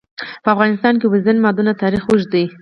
په افغانستان کې د اوبزین معدنونه تاریخ اوږد دی.